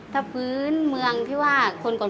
ถ้าพื้นเมืองที่ว่าคนก่อน